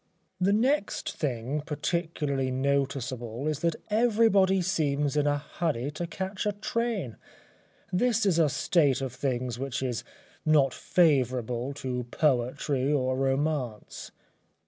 The next thing particularly noticeable is that everybody seems in a hurry to catch a train. This is a state of things which is not favourable to poetry or romance.